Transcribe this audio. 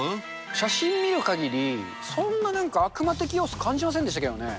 写真見るかぎり、そんななんか、悪魔的要素感じませんでしたけどね。